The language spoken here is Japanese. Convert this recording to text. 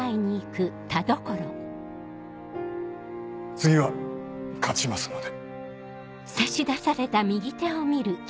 次は勝ちますので。